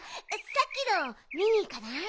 さっきのみにいかない？